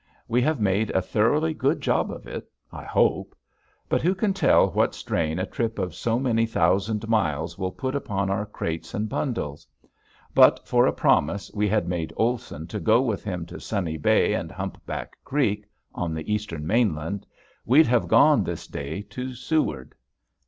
We have made a thoroughly good job of it I hope! But who can tell what strain a trip of so many thousand miles will put upon our crates and bundles? But for a promise we had made Olson to go with him to Sunny Bay and Humpback Creek on the eastern mainland we'd have gone this day to Seward.